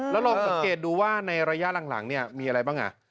แล้วลองสังเกตดูว่าในระยะหลังเนี่ยมีอะไรบ้าง